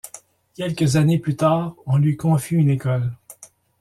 Quelques années plus tard on lui confie une école.